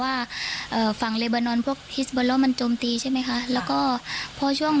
ว่าเอ่อฝั่งเรเบอร์นอนพวกมันจมตีใช่ไหมคะแล้วก็พอช่วง